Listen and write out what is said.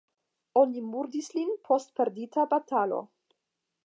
Oni murdis lin post perdita batalo.